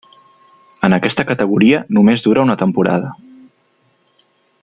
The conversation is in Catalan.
En aquesta categoria només dura una temporada.